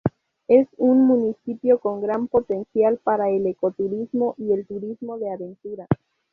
Es un municipio con gran potencial para el ecoturismo y el turismo de aventura.